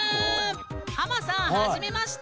ハマさんはじめまして！